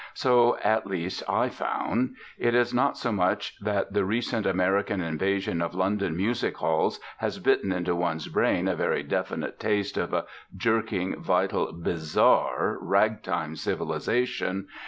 So, at least, I found. It is not so much that the recent American invasion of London music halls has bitten into one's brain a very definite taste of a jerking, vital, bizarre 'rag time' civilisation.